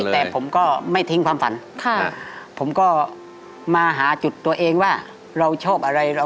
แต่ผมก็ไม่ทิ้งความฝันผมก็มาหาจุดตัวเองว่าเราชอบอะไร